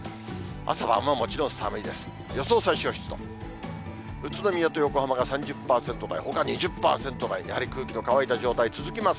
朝はもちろん寒いです。